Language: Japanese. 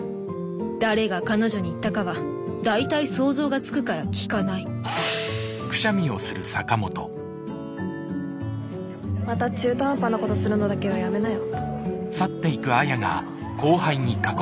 誰が彼女に言ったかは大体想像がつくから聞かないまた中途半端なことするのだけはやめなよ。